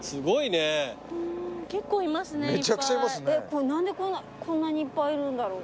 これ何でこんなにいっぱいいるんだろう。